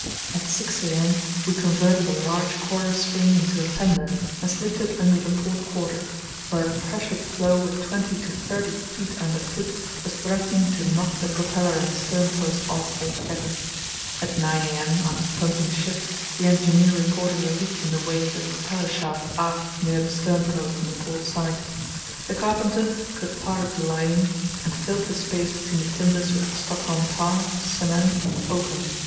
At 6 a.m. we converted a large coir spring into a fender, and slipped it under the port quarter, where a pressured floe with twenty to thirty feet underfoot was threatening try knock the propeller and stern post off altogether. At 9 a.m., after pumping ship, the engineer reported a leak in the way of the propeller shaft aft near the stern post on the port side. The carpenter cut part of the lining and filled the space between the timbers with Stockholm tar, cement, and oakum.